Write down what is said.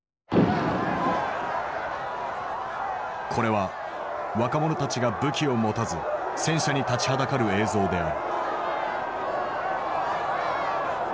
これは若者たちが武器を持たず戦車に立ちはだかる映像である。